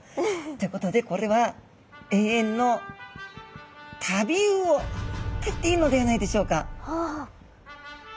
ということでこれは永遠の旅魚と言っていいのではないでしょうか。